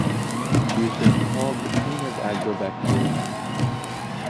She has been called the "queen of "Agrobacterium".